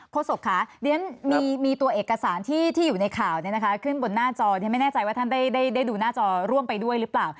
โศกค่ะเรียนมีตัวเอกสารที่อยู่ในข่าวขึ้นบนหน้าจอไม่แน่ใจว่าท่านได้ดูหน้าจอร่วมไปด้วยหรือเปล่า